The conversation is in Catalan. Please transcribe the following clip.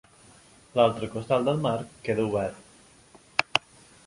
L'altre costat del marc queda obert.